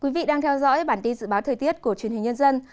quý vị đang theo dõi bản tin dự báo thời tiết của truyền hình nhân dân